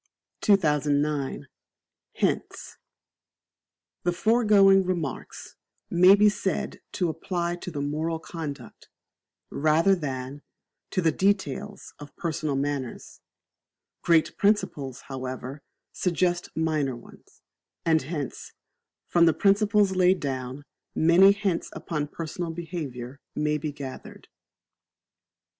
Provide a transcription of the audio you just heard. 2009. Hints. The foregoing Remarks may be said to apply to the moral conduct, rather than, to the details of personal manners. Great principles, however, suggest minor ones; and hence, from the principles laid down, many hints upon personal behaviour may be gathered.